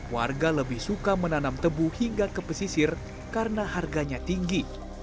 warga lebih suka menanam tebu hingga ke pesisir karena harganya tinggi